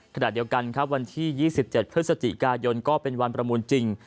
ขณะเดียวกันครับวันที่๒๗พฤศจิกายนก็เป็นวันประมูลจริง